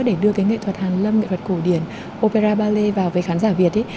để đưa nghệ thuật hàn lâm nghệ thuật cổ điển opera ballet vào với khán giả việt